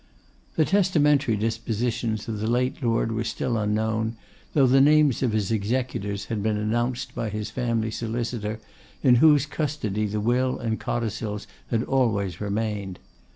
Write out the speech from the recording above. The testamentary dispositions of the late lord were still unknown, though the names of his executors had been announced by his family solicitor, in whose custody the will and codicils had always remained.